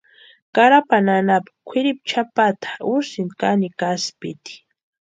Carapani anapu kwʼiripu chʼapata úsïnti kanikwa aspiti.